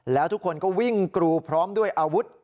แล้วทุกคนก็วิ่งกรูพร้อมด้วยอาวุธ